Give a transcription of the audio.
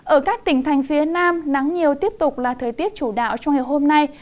ở các tỉnh thành phía nam nắng nhiều tiếp tục là thời tiết chủ đạo trong ngày hôm nay